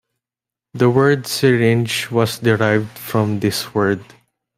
The word "syringe" was derived from this word.